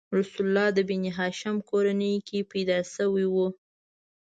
رسول الله د بنیهاشم کورنۍ کې پیدا شوی و.